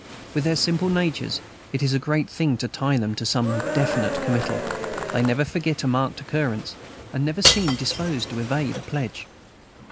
With their simple natures it is a great thing to tie them to some definite committal; they never forget a marked occurrence, and never seem disposed to evade a pledge.